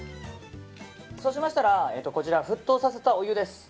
そうしましたら沸騰させたお湯です。